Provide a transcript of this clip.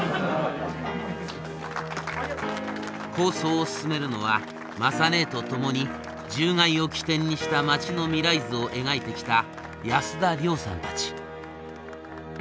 構想を進めるのは雅ねえと共に獣害を起点にした町の未来図を描いてきた安田亮さんたち。